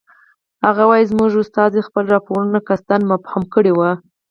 هغه وایي زموږ استازي خپل راپورونه قصداً مبهم کړی وو.